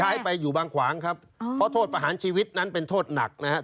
ย้ายไปอยู่บางขวางครับเพราะโทษประหารชีวิตนั้นเป็นโทษหนักนะครับ